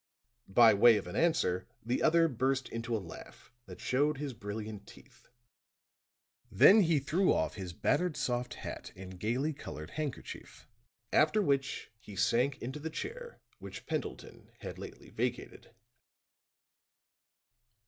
By way of an answer the other burst into a laugh that showed his brilliant teeth; then he threw off his battered soft hat and gayly colored handkerchief, after which he sank into the chair which Pendleton had lately vacated.